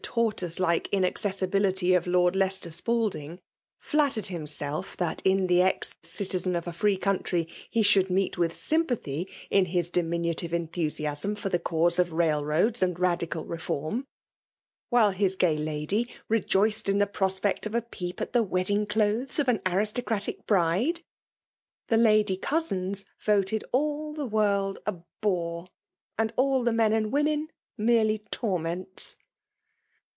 tort^isc like maccessibility of Jjcxtd, Leicester ;3palding, flattered himself that in the ex citizen of the free counti^, he should meet with sympathy in his diminutive enthusiasm for the cause of railroads and radical reform, while his gay lady rejoiced in the prospect of a peep at the wedding clothes of an aristo cratic bride, — ^the lady cousins voted all the world a bore^ and all the men and women merely torments.